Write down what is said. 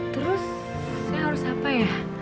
terus saya harus apa ya